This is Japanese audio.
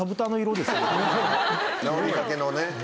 治りかけのね。